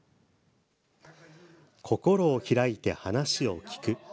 心を開いて話を聞く。